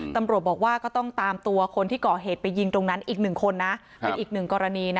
ตำรวจบอกว่าก็ต้องตามตัวคนที่ก่อเหตุไปยิงตรงนั้นอีกหนึ่งคนนะเป็นอีกหนึ่งกรณีนะ